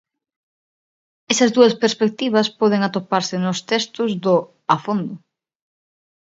Esas dúas perspectivas poden atoparse nos textos do "A Fondo".